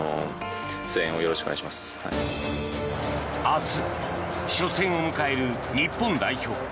明日、初戦を迎える日本代表。